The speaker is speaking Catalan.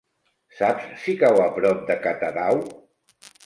Saps si cau a prop de Catadau?